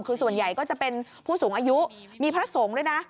คือส่วนใหญ่ก็จะเป็นผู้สูงอายุมีพระสงฆ์ด้วยนะ